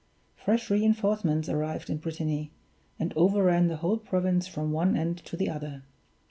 Fresh re enforcements arrived in Brittany, and overran the whole province from one end to the other.